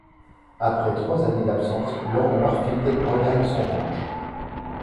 Après trois années d'absence, Lorn Warfield regagne son ranch.